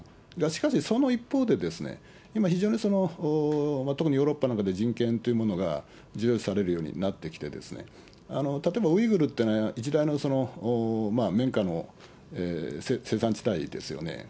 しかし、その一方で、今非常に特にヨーロッパなんかで人権っていうものが重要視されるようになってきて、例えば、ウイグルっていうのは、一大の綿花の生産地帯ですよね。